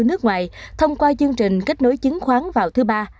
nước ngoài thông qua chương trình kết nối chứng khoán vào thứ ba